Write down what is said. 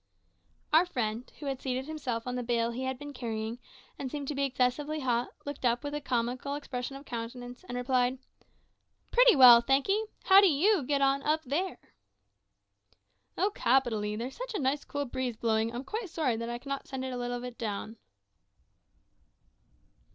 Our friend, who had seated himself on the bale he had been carrying, and seemed to be excessively hot, looked up with a comical expression of countenance, and replied "Pretty well, thank'ee. How do you get on up there?" "Oh, capitally. There's such a nice cool breeze blowing, I'm quite sorry that I cannot send a little of it down."